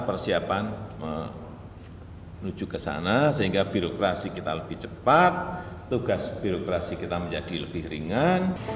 persiapan menuju ke sana sehingga birokrasi kita lebih cepat tugas birokrasi kita menjadi lebih ringan